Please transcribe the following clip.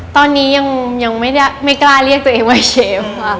ตอนนี้ยังไม่กล้าเรียกตัวเองว่าเชฟค่ะ